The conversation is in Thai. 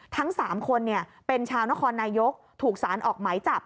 ทั้ง๓คนเป็นชาวนครนายกถูกสารออกหมายจับ